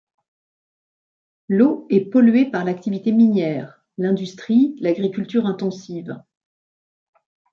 L'eau est polluée par l'activité minière, l'industrie, l'agriculture intensive...